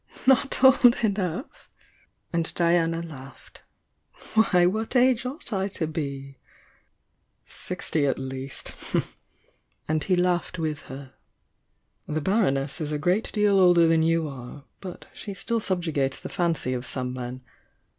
"Not old enough?" and Diana laughed. "Why, what age ought I to be?" "Sixty at least!" and he laughed with her. "The Baroness is a great deal older than you are, but she still subjugates the fancy of some men.